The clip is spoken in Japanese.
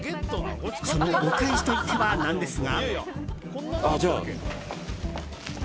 そのお返しといっては何ですが。